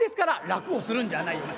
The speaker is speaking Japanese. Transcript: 「楽をするんじゃないよ。